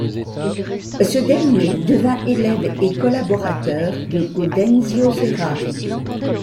Ce dernier devint élève et collaborateur de Gaudenzio Ferrari.